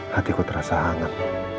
hatiku terasa hangat